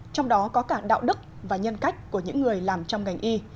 trong đó có cả đạo đức và nhân cách của những người làm trong ngành y